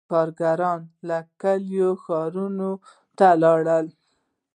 • کارګران له کلیو ښارونو ته ولاړل.